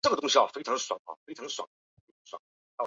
基利安斯罗达是德国图林根州的一个市镇。